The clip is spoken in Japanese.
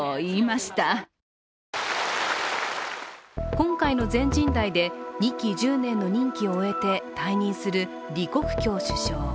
今回の全人代で、２期１０年の任期を終えて退任する李克強首相。